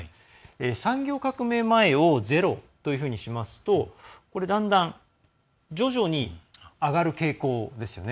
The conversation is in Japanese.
産業革命前をゼロというふうにしますとだんだん徐々に上がる傾向ですよね。